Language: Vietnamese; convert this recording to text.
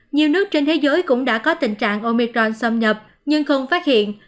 nhiều nước trên thế giới cũng đã có tình trạng omicron xâm nhập nhưng không phát hiện